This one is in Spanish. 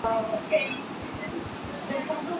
La canción fue un regional de adorno gráfico.